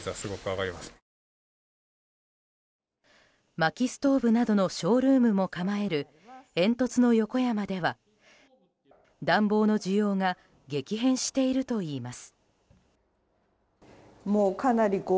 薪ストーブなどのショールームも構える煙突の横山では暖房の需要が激変しているといいます。